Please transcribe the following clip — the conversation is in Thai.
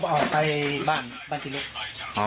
ออกไปบ้านที่เล็ก